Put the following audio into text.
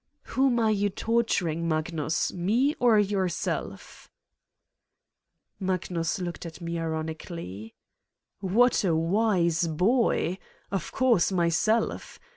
"Whom are you torturing, Magnus: me or yourself?" Magnus looked at me ironically : "What a wise boy! Of course, myself!